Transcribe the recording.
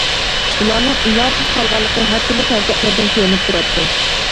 ئۇلارنىڭ ئىلاجىسىز قالغانلىقى ھەر تۈرلۈك ھەرىكەتلىرىدىن كۆرۈنۈپ تۇراتتى.